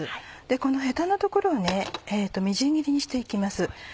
でこのヘタの所をみじん切りにして行きます。